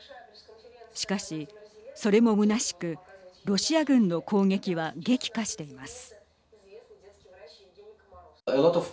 しかし、それもむなしくロシア軍の攻撃は激化しています。